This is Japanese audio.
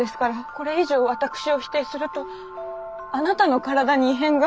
これ以上私を否定するとあなたの体に異変が。